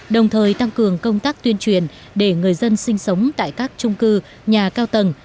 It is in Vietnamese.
đồng thời tăng cường công tác tuyên truyền để người dân sinh sống tại các trung cư nhà cao tầng